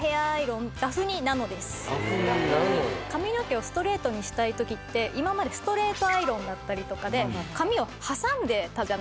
髪の毛をストレートにしたい時って今までストレートアイロンだったりとかで髪を挟んでたじゃないですか。